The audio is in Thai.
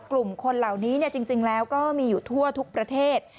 กลุ่มคนเหล่านี้จริงแล้วก็มีอยู่ทั่วทุกประเทศ